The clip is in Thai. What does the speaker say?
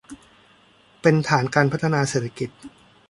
เป็นฐานการพัฒนาเศรษฐกิจ